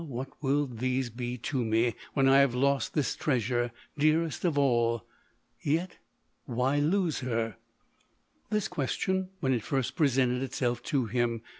what will these be to me, when I have lost this trea sure, dearest of all ?— yet why lose her ?" This question, when it first presented itself to him.